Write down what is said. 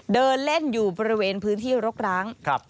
เดินเล่นอยู่บริเวณพื้นที่รกร้าง